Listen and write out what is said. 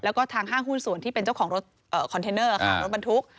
แล้วก็ทางห้างหุ้นส่วนที่เป็นเจ้าของรถคอนเทนเนอร์ค่ะรถบรรทุก